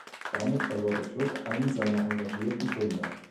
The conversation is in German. Damit verlor der Club einen seiner engagierten Gründer.